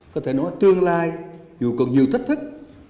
có thể nói tương lai dù còn nhiều thách thức